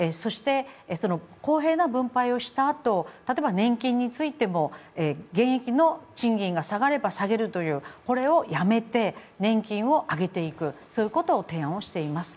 その公平な分配をしたあと、例えば年金についても現役の賃金が下がれば下がるというこれをやめて、年金を上げていく、そういうことを提案をしています。